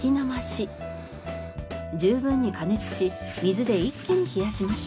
十分に加熱し水で一気に冷やします。